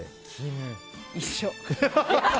一緒！